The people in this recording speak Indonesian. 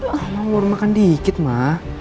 kamu udah makan dikit ma